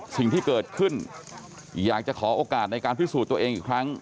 สิ่งที่เกิดขึ้นอยากจะขอโอกาสในการพิสูจน์ตัวเองอีกครั้ง